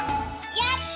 やった！